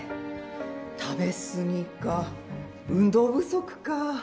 食べ過ぎか運動不足か。